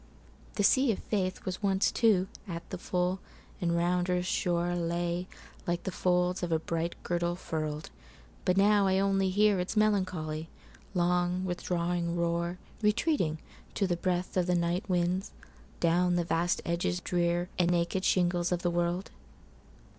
The sea of faithWas once, too, at the full, and round earth's shoreLay like the folds of a bright girdle furl'd. But now I only hearIts melancholy, long, withdrawing roar, Retreating, to the breathOf the night winds, down the vast edges drearAnd naked shingles of the world.